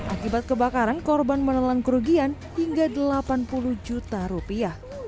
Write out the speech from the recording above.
akibat kebakaran korban menelan kerugian hingga delapan puluh juta rupiah